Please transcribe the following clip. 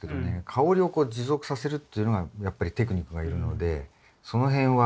香りをこう持続させるっていうのがやっぱりテクニックがいるのでそのへんは。